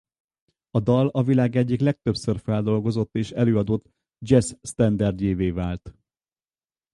A dal a világ egyik legtöbbször feldolgozott és előadott dzsessz-sztenderdjévé vált.